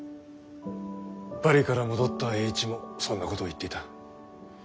パリから戻った栄一もそんなことを言っていた。